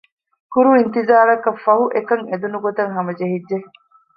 ކުރު އިންތިޒާރަކަށް ފަހު އެކަން އެދުނު ގޮތަށް ހަމަޖެހިއްޖެ